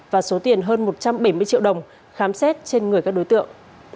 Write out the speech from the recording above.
và số tiền hơn một trăm bảy mươi triệu đồng khám xét trên người các đối tượng